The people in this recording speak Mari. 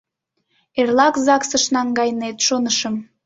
— Эрлак загсыш наҥгайнет шонышым.